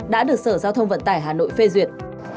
đã được sở giao thông vận tải hà nội phê duyệt